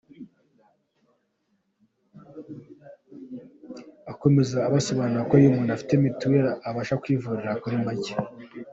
Akomeza abasobanurira ko iyo umuntu afite mitiweli abasha kwivuriza kuri make.